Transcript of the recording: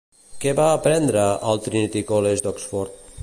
Què va aprendre al Trinity College d'Oxford?